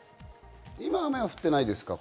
今、雨は降ってないですか？